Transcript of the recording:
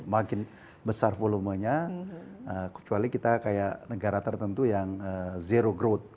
makin besar volumenya kecuali kita kayak negara tertentu yang zero growth